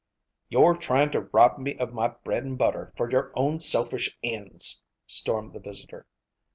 "You're trying to rob me of my bread and butter for your own selfish ends," stormed the visitor.